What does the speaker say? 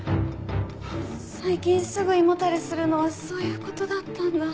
最近すぐ胃もたれするのはそういう事だったんだ。